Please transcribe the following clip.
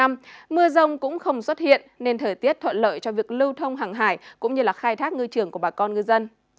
mưa rông cũng không xuất hiện nên thời tiết thuận lợi cho việc lưu thông hàng hải cũng như khai thác ngư trường của bà con ngư dân